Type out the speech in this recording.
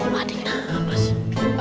padek apa sih